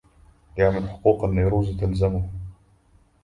يا من حقوق النيروز تلزمه